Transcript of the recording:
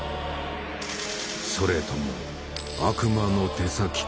それとも悪魔の手先か？